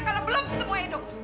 kalau belum ketemu edo